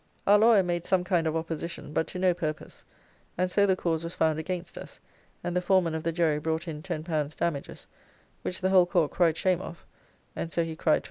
Our lawyer made some kind of opposition, but to no purpose, and so the cause was found against us, and the foreman of the jury brought in L10 damages, which the whole Court cried shame of, and so he cried 12d.